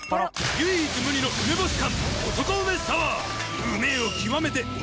唯一無二の梅干感。